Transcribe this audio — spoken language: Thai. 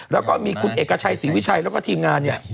แล้วก็มีคุณเอกชัยศรีวิชัยแล้วก็ทีมงานเนี่ย